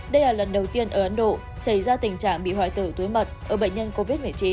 đây là lần đầu tiên ở ấn độ xảy ra tình trạng bị hoại tử túi mật ở bệnh nhân covid một mươi chín